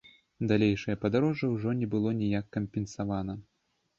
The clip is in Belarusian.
Далейшае падарожжа ўжо не было ніяк кампенсавана.